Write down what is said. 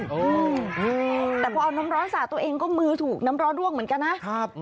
อืมแต่พอเอาน้ำร้อนสาดตัวเองก็มือถูกน้ำร้อนร่วงเหมือนกันนะครับ